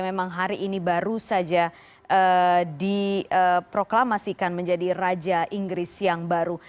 memang hari ini baru saja diproklamasikan menjadi raja inggris yang baru